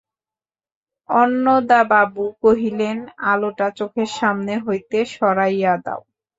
অন্নদাবাবু কহিলেন, আলোটা চোখের সামনে হইতে সরাইয়া দাও।